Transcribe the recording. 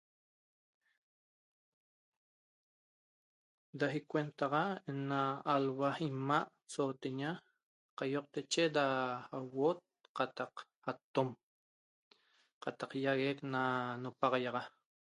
Da icuennataxa na alhua 'ima' sooteña qoýotache da 'auot qataq atom qataq ýaguec na napaxaiaxa